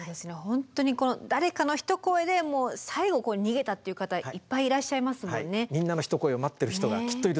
本当にこの誰かの一声で最後逃げたっていう方いっぱいいらっしゃいますもんね。